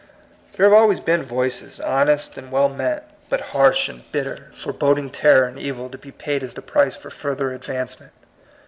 There have always been voices, honest and well meant, but harsh and bit 32 TBS COMING PEOPLE, ter, foreboding terror and evil to be paid as the price for further advancement.